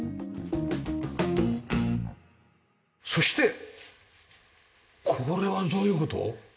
そしてこれはどういう事？